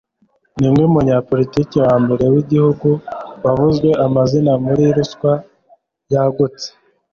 Niwe munyapolitiki wa mbere w’igihugu wavuzwe amazina muri ruswa yagutse